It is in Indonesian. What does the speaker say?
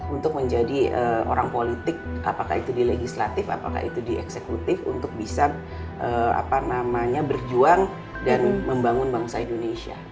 untuk menjadi orang politik apakah itu di legislatif apakah itu di eksekutif untuk bisa berjuang dan membangun bangsa indonesia